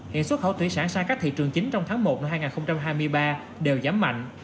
hiện xuất khẩu thủy sản sang các thị trường chính trong tháng một năm hai nghìn hai mươi ba đều giảm mạnh